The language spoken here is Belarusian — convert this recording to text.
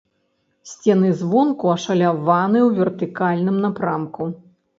Сцены звонку ашаляваны ў вертыкальным напрамку.